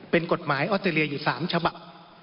เป็นกฎหมายออสเตรเลียอยู่๓ฉบับ